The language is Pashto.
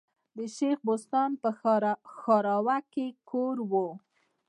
د شېخ بستان په ښوراوک کي ئې کور ؤ.